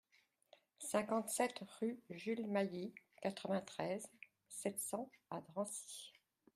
cinquante-sept rue Jules Mailly, quatre-vingt-treize, sept cents à Drancy